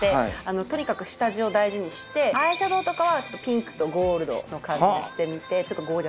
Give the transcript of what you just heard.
とにかく下地を大事にしてアイシャドーとかはピンクとゴールドの感じにしてみてゴージャスな感じ。